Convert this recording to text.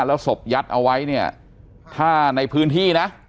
แล้วศพยัดเอาไว้เนี่ยถ้าในพื้นที่นะ